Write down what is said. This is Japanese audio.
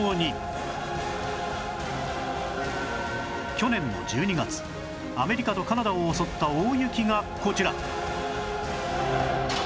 去年の１２月アメリカとカナダを襲った大雪がこちら